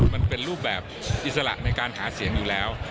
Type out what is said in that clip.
มันเป็นรูปแบบอิสระในการหาเสียงอยู่แล้ว